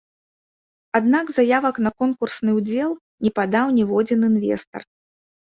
Аднак заявак на конкурсны ўдзел не падаў ніводзін інвестар.